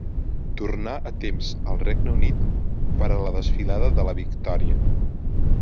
Tornà a temps al Regne Unit per a la Desfilada de la Victòria.